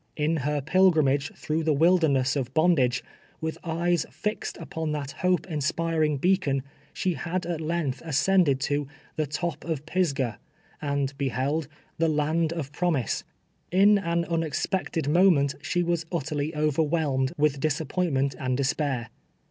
In her pilgrimage through the wilderness of bondage, with eyes fixed upon that hope inspiring beacon, she had at length ascended to " tlie top of Pisgah," and beheld " the land of prom ise." In an unexpected moment she was uttei'ly over whelmed with disappointment and despair.